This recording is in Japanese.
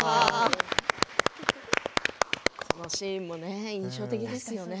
このシーンも印象的でしたね。